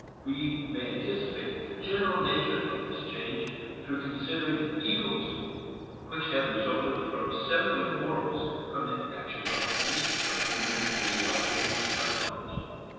We may anticipate the general nature of this change through considering the evils which have resulted from severing morals from the actualities of human physiology and psychology.